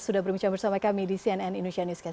sudah berbincang bersama kami di cnn indonesia newscast